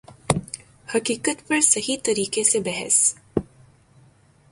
حقیقت پر صحیح طریقہ سے بحث